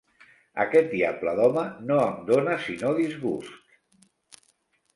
Aquest diable d'home no em dona sinó disgusts!